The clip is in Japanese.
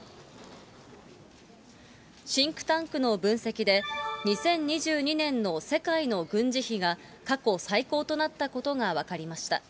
シンクタンクの分析で、２０２２年の世界の軍事費が過去最高となったことが分かりました。